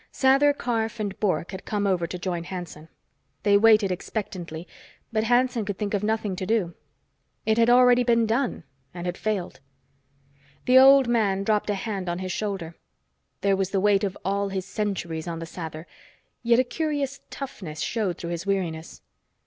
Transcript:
Sather Karf and Bork had come over to join Hanson. They waited expectantly, but Hanson could think of nothing to do. It had already been done and had failed. The old man dropped a hand on his shoulder. There was the weight of all his centuries on the Sather, yet a curious toughness showed through his weariness.